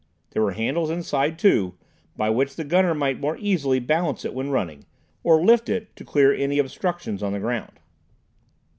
There were handles inside too, by which the gunner might more easily balance it when running, or lift it to clear any obstructions on the ground.